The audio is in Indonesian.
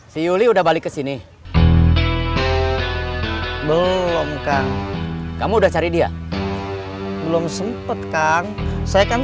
si yuli udah balik ke sini belum kang kamu udah cari dia belum sempat kang saya kan